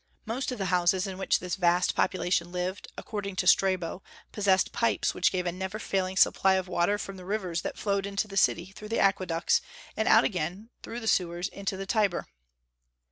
Most of the houses in which this vast population lived, according to Strabo, possessed pipes which gave a never failing supply of water from the rivers that flowed into the city through the aqueducts and out again through the sewers into the Tiber.